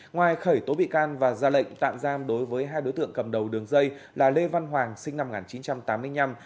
ngoài khởi tố bị can và ra lệnh tạm giam đối với hai đối tượng cầm đầu đường dây là lê văn hoàng sinh năm một nghìn chín trăm tám mươi năm